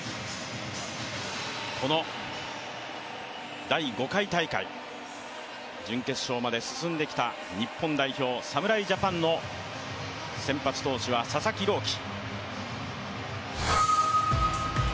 この第５回大会、準決勝まで進んできた日本代表侍ジャパンの先発投手は佐々木朗希。